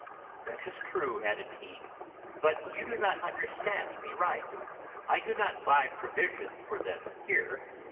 'That is true,' added he; 'but you do not understand me right; I do not buy provisions for them here.